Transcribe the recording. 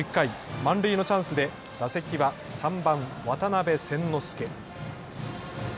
満塁のチャンスで打席は３番・渡邉千之亮。